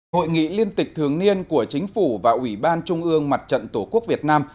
hội nghị liên tịch thường niên của chính phủ và ủy ban trung ương mặt trận tổ quốc việt nam